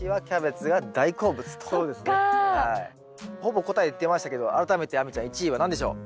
ほぼ答え言ってましたけど改めて亜美ちゃん１位は何でしょう？